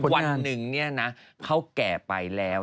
วันหนึ่งเขาแก่ไปแล้ว